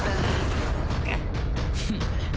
フッ！